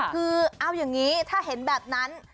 คือเอาอย่างนี้ถ้าเห็นแบบนั้น